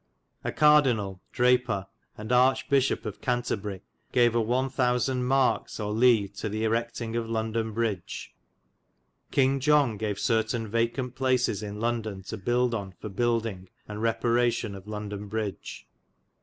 A cardinale (Drapar) t and archepisshope of Cantorbyri gave a 1000. markes or //. to the erectynge of London Bridge. Kynge John gave certeyne vacant places in London to builde on for buildinge and reparation of London Bridge.